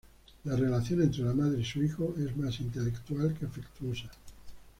La relación entre la Madre y su Hijo es más intelectual que afectuosa.